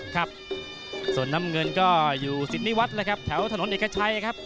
ครับส่วนน้ำเงินก็อยู่สิทธิวัฒน์แล้วครับแถวถนนเอกชัยครับ